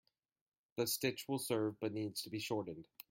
The stitch will serve but needs to be shortened.